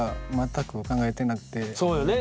そうよね。